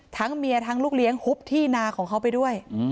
เมียทั้งลูกเลี้ยงหุบที่นาของเขาไปด้วย